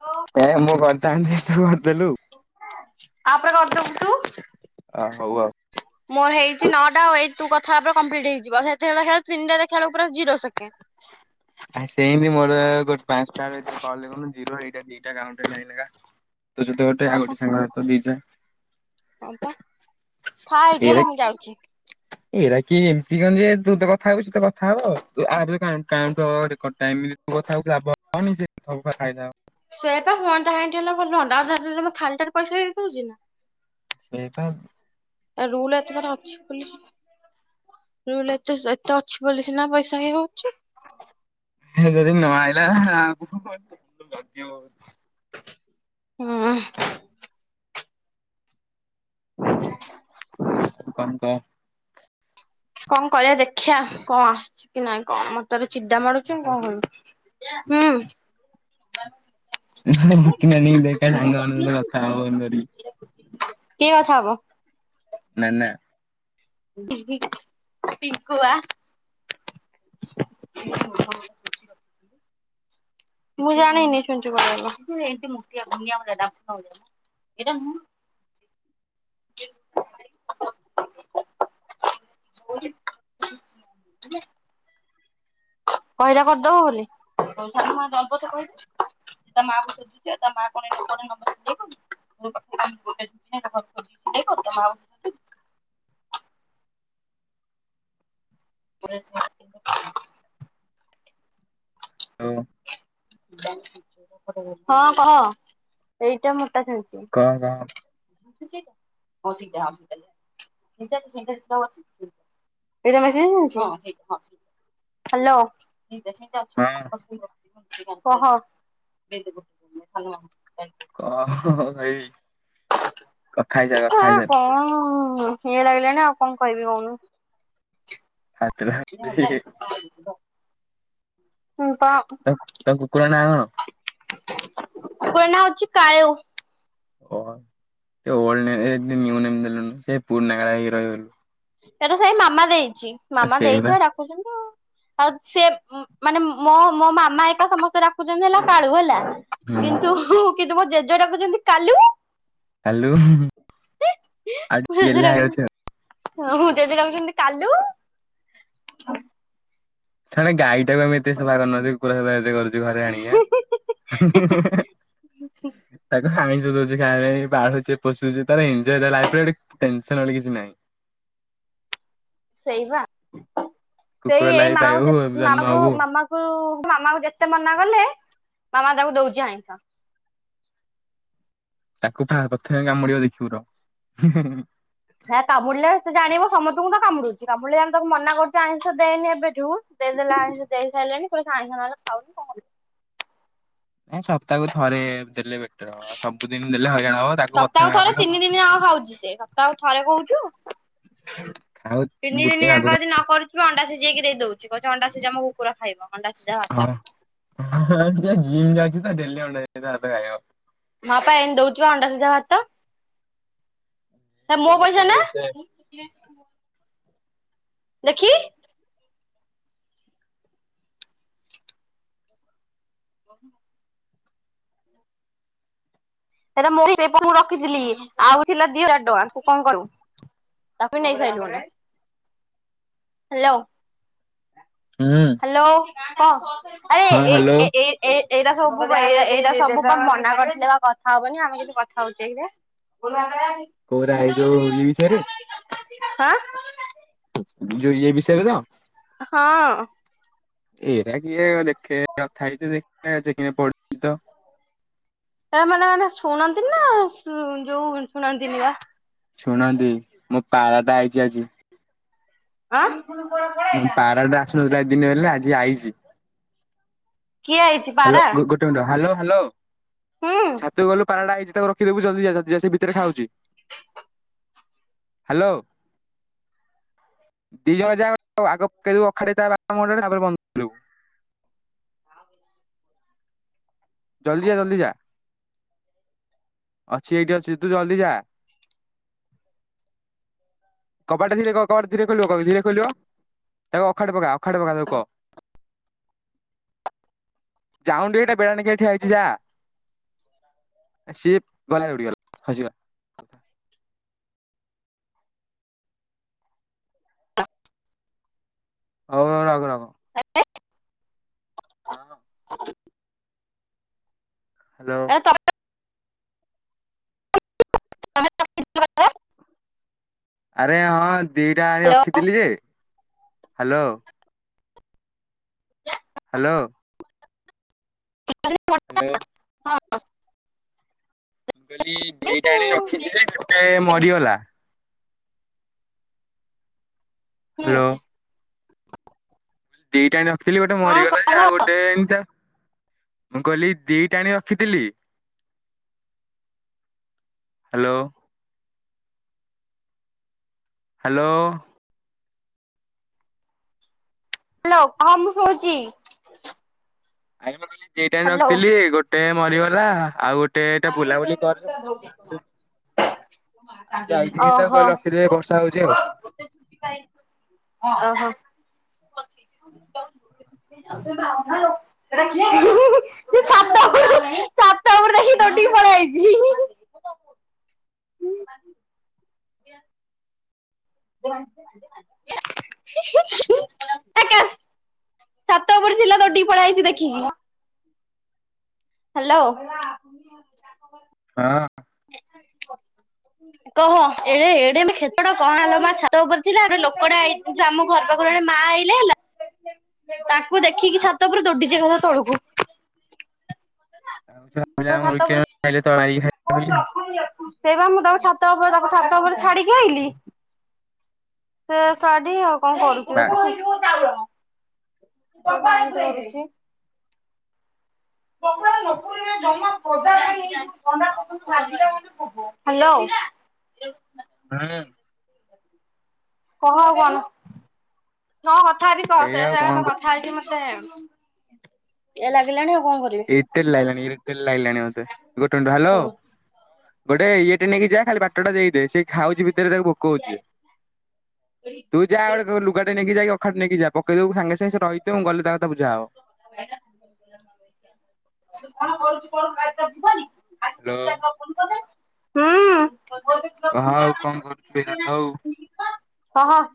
ଓ ଏ ମୁଁ କରିଥାନ୍ତି ତୁହୁ କରିଦେଲୁ। ଆ ପରେ କରିଦବୁ ତୁ ଆ ହଉ ଆଉ। ମୋର ହେଇଛି ନଅଟା ଆଉ ଏଇ ତୁ କଥାହବା କମ୍ପ୍ଲିଟ ହେଇଯିବ ସେତେବେଳେ ଦେଖିବା ତିନଟା ଦେଖିଲାରୁ ଜିରୋ ସେକେଣ୍ଡ ଆ ସେଇମିତି ମୋର ଅ ଗୋଟେ ପାଞ୍ଚଟା କଲ ଦେଖୁନୁ ଜିରୋ ଏଇଟା ଦିଟା ରାଉଣ୍ଡ ହେଲା ଏଇନିକା। ତୁ ସେଠ ଗୋଟେ ଆଉ ଗୋଟେ ସାଙ୍ଗ ହାତ ଦିଟା। ହପା ଥା ଏଇଠି ହେଲା ମୁଁ ଯାଉଛି। ଏଇଟା କି ଏମିତି କଣ ଯେ ତୁ ତ କଥା ହଉଚୁ ସେ ତ କଥା ହବ [unintelligible] [unintelligible] ସେଇଆ ତ ହୁଅନ୍ତା ହେମିତି ହେଲେ ଭଲ ହଅନ୍ତା ଆଉ ଖାଲିଟାରେ ପଇସା ଦେଇ ଦଉଛି ନା। ସେଇତ ଆଉ ଏ ରୁଲ ଏତେ ସାରା ଅଛି ବୋଲି ରୁଲ୍ ଏତେ ଏତ ଅଛି ବୋଲି ସିନା ପଇସା ହେଇ ହଉଛି। ହେ ଯଦି ନ ଆଇଲା ଆମକୁ ବହୁତ କିନ୍ତୁ ବାଧିବ। ହଁ-ଅ। ଆଉ କଣ କହ? କଣ କରିବା ଦେଖିଆ କଣ ଆସୁଛି କି ନାଇଁ କଣ ମତେହେରା ଚିଡା ମାଡୁଛି ମୁଁ କଣ କରିବି। ପୂଜା ହୁଁ [inaudible] [inaudible] ଭୂତି ନାନୀକି ଦେଖ ତା ସାଙ୍ଗ ମାନଙ୍କ ସହ କଥା ହବ ଫୋନ୍ କରି କିଏ କଥା ହବ? ନାନା। ପିଙ୍କୁଆ [inaudible] ମୁଁ ଜାଣିନି ପିଣ୍ଟୁ କୁଆଡ଼େ ଗଲା [inaudible] ଏଟା ମୁଁ [inaudible] କଉଠି। କହିଲା କରିଦବ ବୋଲି ପଇସା ଦବ ତ କହିଛି ତା ମାଁ ତ [unintelligible] କୁଆଡ଼େ ଯାଇଛି ମା। ଅ ହଁ କହ ଏଇଟା ମୋଟା ଛାଣିଛି। କହ କହ। ସେ ହଉ ଚି ହ ସେଇା ଚଟା ଅଛି [inaudible] ଏଇଟା ମାଉସି ଆଣିବାର ଅଛି ହଁ ସେଇଟା ହଁ ସେଇଟା, ହାଲୋ ସେଇଟା ଅଛି ବୋଲି ହଁ ବାପା ଫୋନ୍ କରିଥିଲେ। କହ [inaudible] କଣ କହିବି। କଥା ହେଇଯା ନା କଣ ଇଏ ଲାଗିଲାଣିି ଆଉ କଣ କହିବି କହୁନୁ। ଫାଷ୍ଟ [inaudible] ହୁଁ କହ। ତ ତ କୁକୁର ନାଁ କଣ? କୁକୁର ନାଁ ହଉଛି କାଳୁ। ଓ ଏ ଓଲଡ଼ ନେମ ଦେଲୁ ନିଉ ନେମ ଦେଲୁନୁ ସେ ପୁରୁଣା ହେଇକି ରହିଗଲୁ। ସେଟା ସେଇ ମାମା ଦେଇଚି ମାମା ସେଇବା ଦେଇଚି ଡ଼ାକୁଛନ୍ତି ଆଉ। ଆଉ ସେ ମାନେ ମୋ ମୋ ମାମା ହେକା ସମସ୍ତେ ଡ଼ାକୁଛନ୍ତି ହେଲା କାଳୁ ହେଲା। ହୁଁ କିନ୍ତୁ କିନ୍ତୁ ମୋ ଜେଜେ ଡ଼ାକୁଛନ୍ତି କାଲୁ ଉ। କାଲୁ ହୁ ଆଉ ଟିକେ ଗେହ୍ଲା ହେଇଜାଉଛି ଆଉ। ହ ହ ଜେଜେ ଡ଼ାକୁଛନ୍ତି କାଲୁ। ଥରେ ଗାଈ ଟାକୁ ଆମେ ଏତେ ସେବା କରୁନୁଥିବୁ କୁକୁର ସେବା ଏତେ କରୁଛୁ ଘରେ ଆଣିକି ଆଁ ହୁଁ ହୁଁ ହୁଁ ଏଁ [unintelligible] ତାକୁ ଆଇଁଷ ଦଉଛି ଖାଇବା ପାଇଁ ପାଳୁଛେ ପୋଷୁଛେ ତାର ଏନଜୟ ତାର ଲାଇଫରେ ଗୋଟେ ଟେନସନ ବୋଲି କିଛି ନାଇଁ। ସେଇ ବା କୁକୁର ସେଇ ଏଇ ଲାଇଫ ମାମାକୁ ପାଇବୁ ଯେ ଜନ୍ମ ମାମାକୁ ହବୁ ମାମା କୁ ମାମା କୁ ଯେତେ ମନା କଲେ ମାମା ତାକୁ ଦଉଛି ଆଇଁଷ। ତାକୁ ପା ପ୍ରଥମେ କାମୁଡ଼ିବ ଦେଖିବୁ ରହ। ସେ କାମୁଡ଼ିଲେ ସେ ଜାଣିବ ସମସ୍ତଙ୍କୁ ତ କାମୁଡ଼ୁଛି କାମୁଡ଼ିଲେ ଆମେ ତାକୁ ମନା କରୁଛୁ ଆଇଁଷ ଦେନି ଏବେଠୁ। ଦେଇଦେଲା ଆଇଁଷ ଦେଇସାଇଲାଣି ପୁଣି ଆଇଁଷ ନହେଲେ ଖାଉନି କଣ କରିବୁ? ଏ ସପ୍ତାହକୁ ଥରେ ଦେଲେ ବେଟର ହବ ସବୁଦିନ ଦେଲେ ହଇରାଣ ହବ ତାକୁ ପ୍ରଥମେ କାମୁଡ଼ିବ। ନ ଖାଉଛି ସେ ସପ୍ତାହକୁ ଥରେ କହୁଛୁ ଖାଉ ତିନି ଦିନି ଗୋଟିଏ ଆଗ ଯାଙ୍କ ଯଦି ନ କରୁ ଅଣ୍ଡା ସିଝେଇକି ଦେଇ ଦଉଛି କହୁଛ ଅଣ୍ଡା ସିଝା ମୋ କୁକୁର ଖାଇବ ଅଣ୍ଡା ସିଝା ଭାତ। ହଁ ଜିମ୍ ଯାଉଛି ତ ଡ଼େଲି ଅଣ୍ଡା ଭାତ ଖାଇବ। ମାଁ ପା ଏଇନେ ଦଉଚି ପା ଅଣ୍ଡା ସିଝା ଭାତ। ହେଟା ସେ ମୋ ଲୋକ ପଇସା ବି ନା? ଏତେ ଦେଖି କହୁନୁ ସେଇଟା ମୋ ସେଠି ମୁଁ ରଖିଥିଲି, ଆଉ ଥିଲା ଦି ହଜାର ଟଙ୍କା, ତୁ କଣ କରୁ? ତାକୁ ବି ନେଇସାଇଲୁଣି। ହାଲୋ। ହୁଁ ହାଲୋ ହଁ ଆରେ ହଁ ଏ ହ୍ୟାଲୋ ଏ ଏଇ ଏଇଟା ସବୁ ଏଇଟା ସବୁ ପା ମନା କରିଥିଲେ କଥା ହବନି, ଆମେ କି କଥା ହଉଛେ ଏଇରେ [unintelligible] କୋଉରା ଏଇ ଯୋଉ ଇଏ ବିଷୟରେ? ଆଁ ଯୋଉ ଇଏ ବିଷୟରେ ତ। ହଁ। ଏରା କିଏ ଜମା ଦେଖେ କଥା ହେଇଛି ଦେଖ ତା ମାନେ ମାନେ ଶୁଣନ୍ତିନି ନା ଯୋଉ ଶୁଣନ୍ତିନି ବା? ଶୁଣନ୍ତି ମୋ ପାରାଟା ଆଇଛି ଆଜି। ଆ ମୁଁ ପାରାଟେ ଆସୁନଥିଲା ଏତେ ଦିନ ହେଲା, ଆଜି ଆଇଛି। କିଏ ଆଇଛି? ହାଲୋ ପାରା ଗୋଟେ ମିଣ୍ଟି ରହ ହାଲୋ ହାଲୋ ହୁଁ ଛାତୁ ଗଲୁ ପାରା ଟା ଆଇଚି ରଖିଦବୁ, ଜଲଦି ଜା ସେ ଭିତରେ ଖାଉଛି। ହାଲୋ। ଦି ଜଣ ଯା ଆଗ କେଇଦବୁ ଅଖାଟେ ତା ବାଟମୁହଁ ଟା ତା ବ ଜଲଦି ଯା ଜଲଦି ଯା, ଅଛି ଏଇଠି ଅଛି ତୁ ଜଲଦି ଯା। କବାଟା ଧୀରେ କବାଟ ଧୀରେ ଖୋଲିବ, କହିବୁ ଧୀରେ ଖୋଲିବ ତାକୁ ଅଖାଟେ ପକା ଅଖାଟେ ପକା ତାକୁ କହ। ଯାଉନୁ ଏଟା ବେଡା ନାକି ଠିଆଇଛି, ଯା। ସିଏ ଗଲା, ଉଠ ଗଲାହଜିଗଲା। [unintelligible] ହଉ ହଉ। ରଖ୍ ରଖ। [unintelligible] ହଁ ହଁ। [unintelligible] ହାଲୋ ଏ ତ ଆରେ ହଁ। ଦିଟା ଆଣି ରଖିଥିଲି ଯେ। ହାଲୋ। ହାଲୋ। ହ୍ୟାଲୋ [unintelligible] ହଁ। ମୁଁ କହିଲି, ଦିଟା ଆଣି ରଖିଛି ଯେ, ଗୋଟେ ମରିଗଲା। ହୁଁ ହାଲୋ। ଦିଟାଣି ରଖଥିଲି। ଗୋଟେ ହଁ ମରିଗଲା ଯେ, ଆଉ ଗଟେ ଗଟେ। ମୁଁ କହିଲି ଦି ଆଣି ରଖିଥିଲି। ହାଲୋ। ହାଲୋ। Hello. କହ ମୁଁ ଶୁଣୁଛି। ଆରେ ମୁ କହିଲି, ଦଇ ଟାଇ ହ୍ୟାଲୋ ରଖିଥିଲି। ଗୋଟେ ମରିଗଲା। ଆଉ ଗୋଟେ ଏଟା ବୁଲାବୁଲି କର ତାଲି ଆସେ ଦୁର୍ଟା ଆଜି ଆଇଛି କିନ୍ତୁ ଭୌତି ତାକୁ କହିଲି ରଖିଦେ ବର୍ଷା ହଉଛି ଆଉ କୁମାର। ହଁ। ଓ ହୋ। ଓ ଓହୋ। ଛାତ ଉପରକୁ ଦେଖିକି ତ ଟିକ ପଳେଇ ହେଇଛି। ଉଁ ଯେ -। [unintelligible] ଛାତ ଉପୁରେ ଥିଲା। ଦଉ ଡ଼ିକି ପଳେଇ ହେଇଛି ଦେଖିକି। ହାଲୋ। [unintelligible] ହଁ। [unintelligible] କହ, ଏ ଏଡେ ଖେଚଡ କହ ନା ଲୋ ମା ଛାତ ଉପରେ ଥିଲା, ଲୋକଟେ ଆଇଥିଲା ଆମ ଘର ପାଖରେ ମା ଆଇଲେ ହେଲା ତାକୁ ଦେଖିକି, ଛାତ ଉପୁର ଦୋଡିଚି ଏକଥରେ ତଳକୁ। ମୋ ଛାତ ଉପରେ [unintelligible] ସେଇ ବା, ମୁଁ ତାଙ୍କ ଛାତ ଉପରେ, ତାଙ୍କ ଛାତ ଉପରେ ଛାଡିକି ଆଇଲିି। ସେ ଶାଢୀ, ଆଉ କଣ ବା କରୁଥିବ। [unintelligible] [unintelligible] ହ୍ୟାଲୋ। [unintelligible] କହ ଆଉ କଣ? ତମ କଥା ଆଜି କହ। ଏଇ ଆଉ କଣ କ [unintelligible] ଖାଇଛି ମତେ, ଇଏ ଲାଗିଲାଣି ଆଉ କଣ କରିବି। ଇରିଟେଟ ଲାଗିଲାଣି, ଇରିଟେଟ ଲାଗିଲାଣି ମୋତେ। ଗୋଟେ ମିନିଟ ରହ। ହାଲୋ। ଗୋଟେ ଇ ଟେ ନେଇକି ଯା, ଖାଲି ବାଟଟା ଦେଇଦେ। ସେ ଖାଉଛି ଭିତରେ ତାକୁ ଭୋକ ହଉଚି ଯେ। ତୁ ଯା ଗୋଟେ ଲୁଗାଟେ ନେଇକି ଯା କି ଅଖା ଟେ ନେଇକି ଯା। ପକେଇ ଦବୁ ସାଙ୍ଗେ ସାଙ୍ଗେ ସେ ରହିଥିବ। ମୁଁ ଗଲେ ତା କଥା ବୁଝାହବ। ସେ କଣ କରୁଚି କରୁ। [unintelligible] ହ୍ୟାଲୋ। କହ ହୁଁ। ଆଉ କଣ କରୁଛୁ ଏଇରା ତ ଆଉ କହ।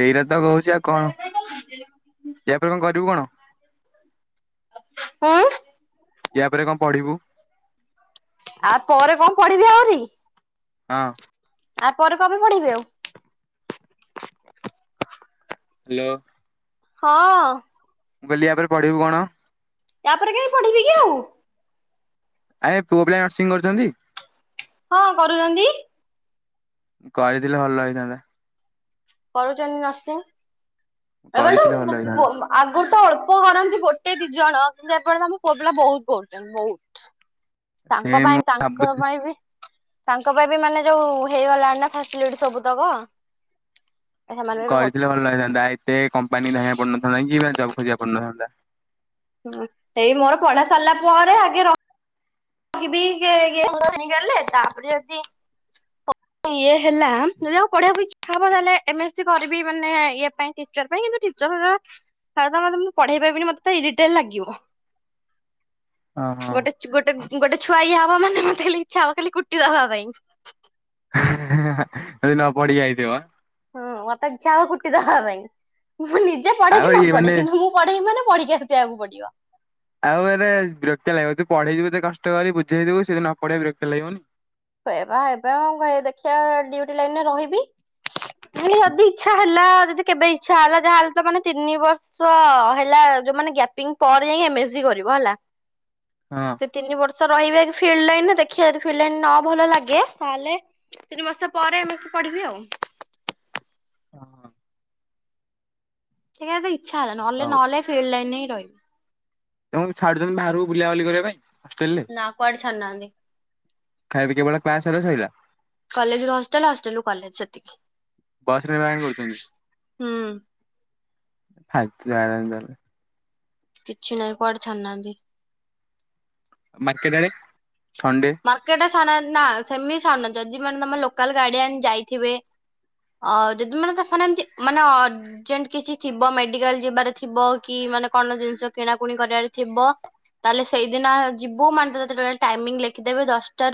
ଏଇରା ତ କହୁଛି ଆଉ କଣ? ଏହା ପରେ କଣ କରିବୁ କଣ? [unintelligible] ଇଆ ପରେ କଣ ପଢିବୁ? ଆ ପରେ କଣ ପଢିବି ଆହୁରି? ହଁ। ଆ ପରେ କଣ ପେ ପଢିବି ଆଉ। ହ୍ୟାଲୋ। ହଁ। ମୁଁ କହିଲି ଆ ପରେ ପଢିବୁ କଣ? ଆପରେ କାଇଁ ପଢିବି କି ଆଉ। ଆରେ ପୁଅ ପିଲା ନର୍ସିଂ କରୁଛନ୍ତି? ହଁ, କରୁଚନ୍ତି। କହିଥିଲେ ଭଲ ହେଇଥାନ୍ତା। କରୁଛନ୍ତି ନର୍ସିଂ। ଏବେ କରିଥିଲେ ଭଲ [unintelligible] ହେଇଥାନ୍ତା ଆଗରୁ ତ ଅଳ୍ପ କରନ୍ତି ଗୋଟେ ଦି ଜଣ। କିନ୍ତୁ, ଏପଟେ ତ ଆମ ପୁଅ ପିଲା ବହୁତ କରୁଛନ୍ତି। ବହୁତ। ସେ ତାଙ୍କ ମୁଁ ପାଇଁ ତାଙ୍କ ଭାବୁଛି ପାଇଁ ବି ତାଙ୍କ ପାଇଁ ବି ମାନେ ଯୋଉ ହେଇଗଲାଣି ନା ଫାସିଲିଟି ସବୁ ତକ। ସେମାନେ ବି କରିଥିଲେ କରୁଛନ୍ତି। ଭଲ ହେଇଥାନ୍ତା। ଏତେ କମ୍ପାନୀ ଧାଇଁବା ପଡିନଥାନ୍ତା କି ଜବ୍ ଖୋଜିବା ପଡିନଥାନ୍ତା। ହୁଁ, ସେଇ ମୋର ପଢା ସରିଲା ପରେ ଆଗେ ର ରହିବି ତାପରେ ଯଦି। [unintelligible] ଇଏ ହେଲା ଯଦି ଆଉ ପଢିବାକୁ ଇଚ୍ଛା ହବ ତାହେଲେ ଏମ ଏସ୍ ସି କରିବି ମାନେ ଇଏ ପାଇଁ। ଟିଚର ପାଇଁ କିନ୍ତୁ ଟିଚର ହେବା ହେରା ତ ମୁଁ ପଢେଇ ପାରିବିନି ମତେ ତ ଇରିଟେଟ ଲାଗିବ। [unintelligible] ଅ ହଁ। ଗୋଟେ ଗୋଟେ ଛୁଆ ଇଏ ହବ ମାନେ ମତେ ଖାଲି ଇଚ୍ଛା ହେବ ଖାଲି କୁଟି ଦେବା ପାଇଁ। ଯଦି ନପଢ଼ିକି ଆଇଥିବ। ହଁ ମତେ ଇଚ୍ଛା ହବ କୁଟିଦବା ପାଇଁ। ମୁଁ ନିଜେ ପଢେ ଆଉ କି ନ ଇଏ ପଢେ। ମାନେ କିନ୍ତୁ ମୁଁ ପଢେଇି ମାନେ ପଢିକି ଆସିବାକୁ ପଡିବ। ଆଉ ଏବେ ବିରକ୍ତିଆ ଲାଗିବ ତୁ ପଢେଇ ଥିବୁ ଏତେ କଷ୍ଟ କରି ବୁଝେଇ ଦବୁ ସେ ନ ପଢେଇ ବିରକ୍ତି ଲାଗିବନି। ଏବା ଏବେ କଣ ଦେଖିବା ଡିଉଟି ଲାଇନରେ ରହିବି। ଯଦି ଇଚ୍ଛା ହେଲା ଯଦି କେବେ ଇଛା ହେଲା ଯାହା ହେଲେ ତ ମାନେ ତିନି ବର୍ଷ ହେଲା ଯୋଉ ମାନେ ଗ୍ୟାପିଙ୍ଗ ପରେ ଯାଇ ଏ କରିବ ହେଲା। ହଁ। ତିନି ବର୍ଷ ରହିବେ ଫିଲ୍ଡ ଲାଇନରେ ଦେଖିବା ଫିଲ୍ ଲାଇ ନ ଭଲ ଲାଗେ। ତାହେଲେ ତିନି ମାସ ପରେ ଏମ୍ ଏମ୍ ସି ପଢିବି ଆଉ। ହଁ। ସେଇା ତ ଇଚ୍ଛା ହେଲା ନହଲେ ହଉ ନହେଲେ ଫିଲ୍ଡ ଲାଇନରେ ହଁ ରହିବ। ତମକୁ ଛାଡୁଛନ୍ତି ବାହାରକୁ ବୁଲା ବୁଲି କରିବା ପାଇଁ। ହଷ୍ଟେଲରେ ନା କୁଆଡ ଚାଡୁନାହାନ୍ତି। ଖାଇବା କେବଳ କ୍ଲାସ ସରିଲା ସଇଲା କଲେଜ ରୁ ହଷ୍ଟେଲ ହଷ୍ଟେଲ ରୁ କଲେଜ ସେତିକି। ବସ ନିର୍ବାହଣୀ କରୁଛନ୍ତି ହୁଁ। ଫାଲତୁ ତାହା ହେଲେ। କିଛି ନାହିଁ କୁଆଡେ ଛାନାହାନ୍ତି। ମାର୍କେଟ ଆଡେ। ସଣ୍ଡେ ମାର୍କେଟ ନା ସେମିତି ଛାଡୁନାହାନ୍ତି ଯଦି ମାନେ ତମେ ଲୋକାଲ ଗାଡ଼ିଏନ ଯାଇଥିବେ। ଅ ଯଦି ମାନେ ତା ଫାନେ ଏମିତି ମାନେ ଅ ରମେଣ୍ଟ କିଛି ଥିବ, ମେଡିକାଲ ଯିବାର ଥିବ, କି ମାନେ କଣ ଜିନିଷ କିଣାକୁଣି କରିବାରେ ଥିବ। ତାହେଲେ ସେଇଦିନ ଯିବୁ ମାନେତେ ଟୋଟାଲ ଟାଇମିଂ ଲେଖିଦେବେ ଦଶଟା